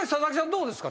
どうですか？